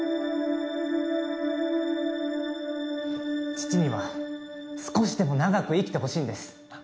父には少しでも長く生きてほしいんです。